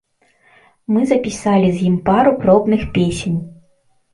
Мы запісалі з ім пару пробных песень.